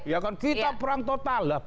ya kan kita perang total lah